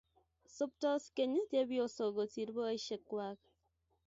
Soptos keny chepyosok kosir poisyek kwag.